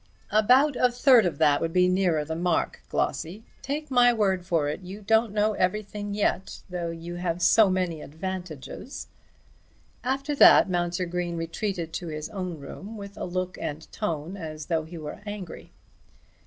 "About a third of that would be nearer the mark, Glossy. Take my word for it, you don't know everything yet, though you have so many advantages." After that Mounser Green retreated to his own room with a look and tone as though he were angry.